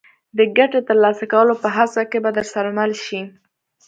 د ګټې ترلاسه کولو په هڅه کې به درسره مل شي.